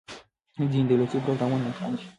ځینې دولتي پروګرامونه ناکام دي.